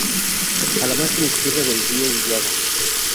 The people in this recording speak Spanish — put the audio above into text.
A la margen izquierda del río Huallaga.